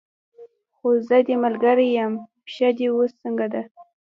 خو زه دې ملګرې یم، پښه دې اوس څنګه ده؟